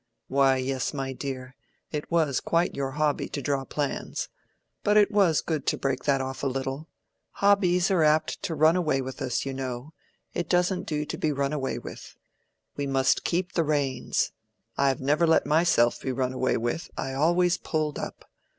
"Why, yes, my dear, it was quite your hobby to draw plans. But it was good to break that off a little. Hobbies are apt to run away with us, you know; it doesn't do to be run away with. We must keep the reins. I have never let myself be run away with; I always pulled up.